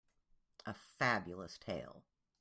A Fabulous tale.